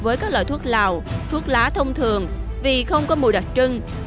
với các loại thuốc lào thuốc lá thông thường vì không có mùi đặc trưng